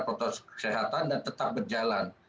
protokol kesehatan dan tetap berjalan